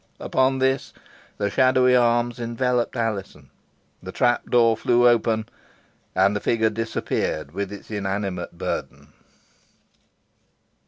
Upon this the shadowy arms enveloped Alizon, the trapdoor flew open, and the figure disappeared with its inanimate burthen.